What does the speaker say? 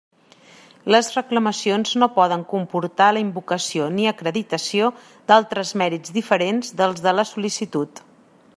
Les reclamacions no poden comportar la invocació ni acreditació d'altres mèrits diferents dels de la sol·licitud.